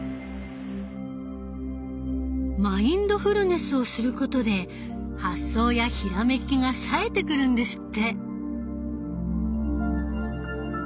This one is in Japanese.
マインドフルネスをすることで発想やひらめきがさえてくるんですって。